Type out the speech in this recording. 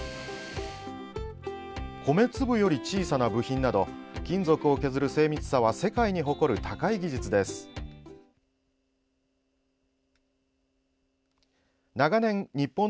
米粒より小さな部品など金属を削る精密さは世界に誇る高い技術です。